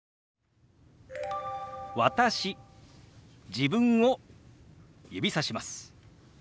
自分を指さします。